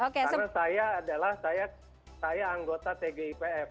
karena saya adalah anggota tgipf